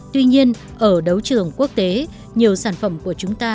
tuy nhiên ở đấu trường quốc tế nhiều sản phẩm của chúng ta